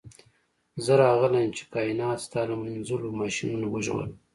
زه راغلی یم چې کائنات ستا له مینځلو ماشینونو وژغورم